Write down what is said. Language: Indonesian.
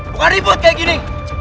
bukan ribut kayak gini